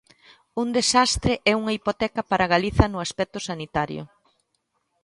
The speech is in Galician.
Un desastre e unha hipoteca para Galiza no aspecto sanitario.